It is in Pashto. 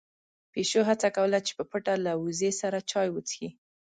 پيشو هڅه کوله چې په پټه له وزې سره چای وڅښي.